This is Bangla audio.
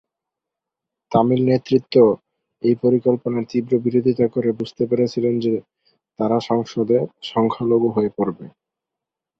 তামিল নেতৃত্ব এই পরিকল্পনার তীব্র বিরোধিতা করে বুঝতে পেরেছিলেন যে তারা সংসদে সংখ্যালঘু হয়ে পড়বে।